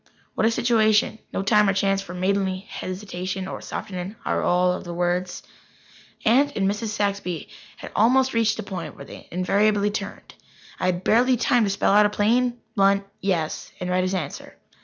What a situation! No time or chance for any maidenly hesitation or softening aureole of words. Aunt and Mrs. Saxby had almost reached the point where they invariably turned. I had barely time to spell out a plain, blunt "yes" and read his answer.